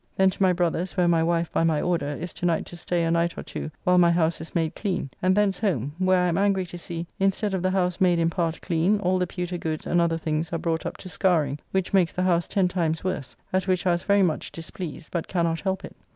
Then to my brother's, where my wife, by my order, is tonight to stay a night or two while my house is made clean, and thence home, where I am angry to see, instead of the house made in part clean, all the pewter goods and other things are brought up to scouring, which makes the house ten times worse, at which I was very much displeased, but cannot help it.